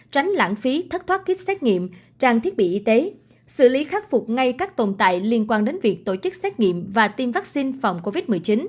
tránh lãng phí thất thoát kit xét nghiệm trang thiết bị y tế xử lý khắc phục ngay các tồn tại liên quan đến việc tổ chức xét nghiệm và tiêm vaccine phòng covid một mươi chín